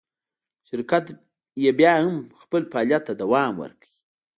شرکت یې بیا هم خپل فعالیت ته دوام ورکړ.